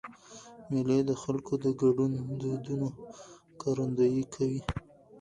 مېلې د خلکو د ګډو دودونو ښکارندویي کوي.